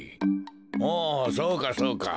おそうかそうか。